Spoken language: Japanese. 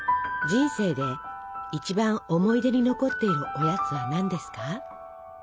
人生で一番思い出に残っているおやつは何ですか？